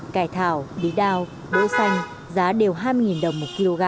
cải thảo bí đao đỗ xanh giá đều hai mươi đồng một kg